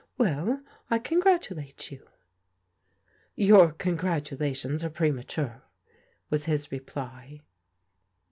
Well, I congratulate you." " Your congratulations are premature," was his reply.